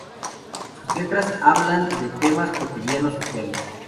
Sus letras hablan de temas cotidianos y sociales.